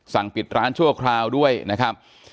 ปิดร้านชั่วคราวด้วยนะครับ